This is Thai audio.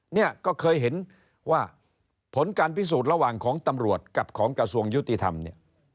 เนี่ยก็เคยเห็นว่าผลการพิสูจน์ระหว่างของตำรวจกับของกระทรวงยุติธรรมเนี่ย